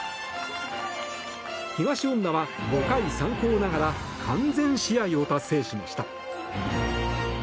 東恩納は５回参考ながら完全試合を達成しました。